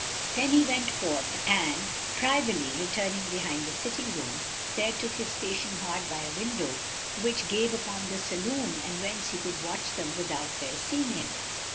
Then he went forth and, privily returning behind the sitting room, there took his station hard by a window which gave upon the saloon and whence he could watch them without their seeing him.